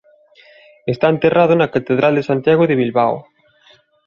Está enterrado na catedral de Santiago de Bilbao.